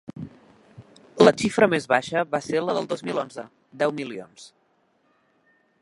La xifra més baixa va ser la del dos mil onze: deu milions.